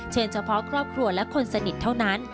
เฉพาะครอบครัวและคนสนิทเท่านั้น